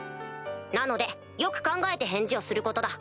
なのでよく考えて返事をすることだ。